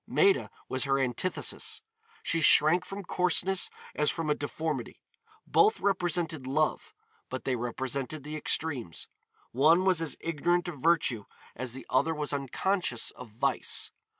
Maida was her antithesis. She shrank from coarseness as from a deformity. Both represented Love, but they represented the extremes. One was as ignorant of virtue as the other was unconscious of vice.